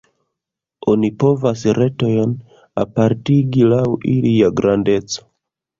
Oni povas retojn apartigi laŭ ilia grandeco.